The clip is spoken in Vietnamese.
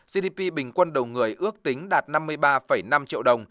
gdp bình quân đầu người ước tính đạt năm mươi ba năm triệu đồng